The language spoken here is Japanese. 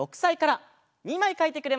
２まいかいてくれました。